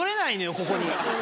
ここに。